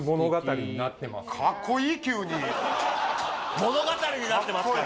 物語になってますから。